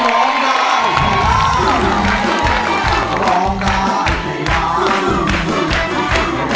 ร้องได้ร้องได้ร้องได้ร้องได้ร้องได้ร้องได้